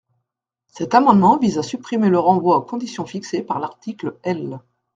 Cet amendement vise à supprimer le renvoi aux conditions fixées par l’article L.